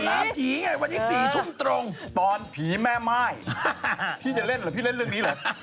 นี่ไงหล่อล่าผีตอนผีแม่ไม้พี่จะเล่นหรือพี่เล่นเรื่องนี้หรือ